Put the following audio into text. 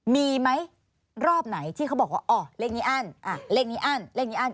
มีไหมรอบไหนที่เขาบอกว่าอ๋อเลขนี้อั้นเลขนี้อั้นเลขนี้อั้น